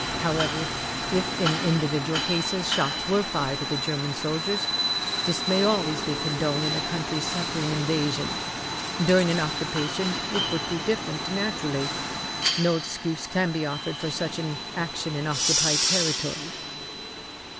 However, if in individual cases shots were fired at the German soldiers, this may always be condoned in a country suffering invasion. During an occupation it would be different, naturally. No excuse can be offered for such an action in occupied territory."